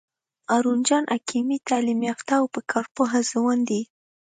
هارون جان حکیمي تعلیم یافته او په کار پوه ځوان دی.